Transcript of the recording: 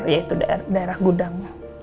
yaitu daerah gudang